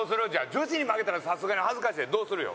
女子に負けたらさすがに恥ずかしいやんどうするよ？